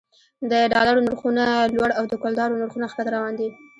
د ډالرو نرخونه لوړ او د کلدارو نرخونه ښکته روان دي